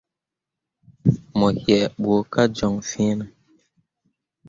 Mo syet kpu kah joŋ fene ?